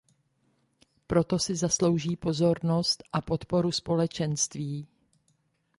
Proto si zaslouží pozornost a podporu Společenství.